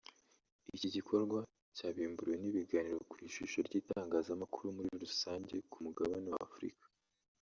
Iki gikorwa cyabimburiwe n’ibiganiro ku ishusho ry’itangazamakuru muri rusange ku mugabane w’Afurika